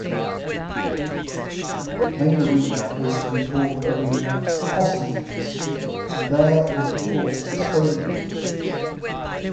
Main arena was to be called arena "Postimees" and there were performed Estonian musicians.